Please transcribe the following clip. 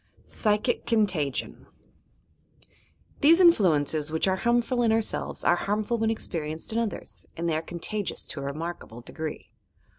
PSYCHIC CONTAGION These influences which are harmful in ourselves are harmful when experienced in others, and they are con tagious to a remarkable degree.